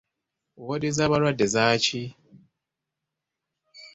Woodi z'abalwadde zaaki?